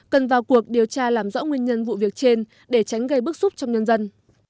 cần vào cuộc điều tra làm rõ nguyên nhân vụ việc trên để tránh gây bức xúc trong nhân dân